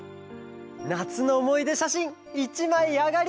なつのおもいでしゃしん１まいあがり！